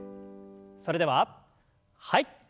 それでははい。